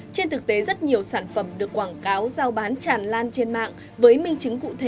trên thực tế rất nhiều sản phẩm được quảng cáo giao bán tràn lan trên mạng với minh chứng cụ thể